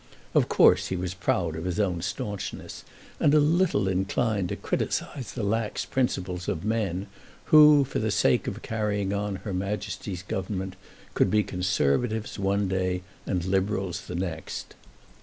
Of course, he was proud of his own staunchness, and a little inclined to criticise the lax principles of men who, for the sake of carrying on her Majesty's Government, could be Conservatives one day and Liberals the next.